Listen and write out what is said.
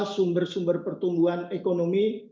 sumber sumber pertumbuhan ekonomi